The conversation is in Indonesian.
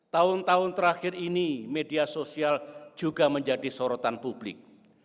tahun tahun terakhir ini media sosial juga menjadi sorotan publik